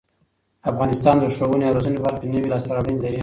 افغانستان د ښوونې او روزنې په برخه کې نوې لاسته راوړنې لري.